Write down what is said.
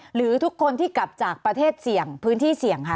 หรือทุกคนที่กลับจากประเทศเสี่ยงพื้นที่เสี่ยงค่ะ